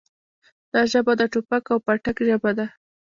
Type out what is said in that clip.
دا ژبه د ټوپک او پاټک ژبه ده.